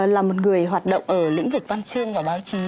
là một người hoạt động ở lĩnh vực văn chương và báo chí